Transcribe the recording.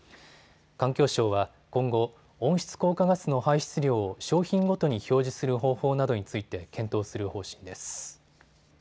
環境省は今後、温室効果ガスの排出量を商品ごとに表示する方法などについて検討する方針です。